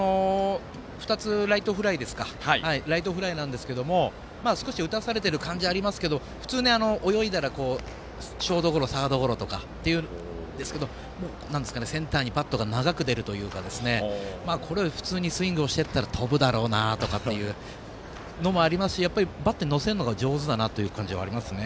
２つともライトフライなんですが少し打たされている感じはありますが普通、泳いだらショートゴロサードゴロとかというんですがセンターにバットが長く出るというかこれ、普通にスイングしたら飛ぶだろうなというのもありますしバットに乗せるのが上手だなという感じがありますね。